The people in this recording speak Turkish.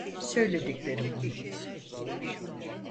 Söylediklerimi unut.